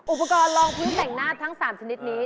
อุปกรณ์ลองพื้นแต่งหน้าทั้ง๓ชนิดนี้